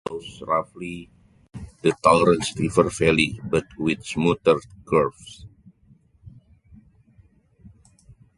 The busway follows roughly the Torrens River valley, but with smoother curves.